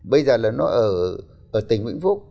bây giờ là nó ở tỉnh vinh phúc